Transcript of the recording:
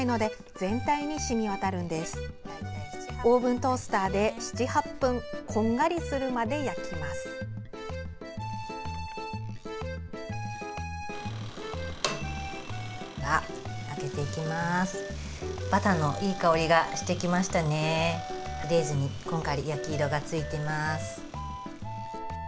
レーズンにこんがり焼き色がついています。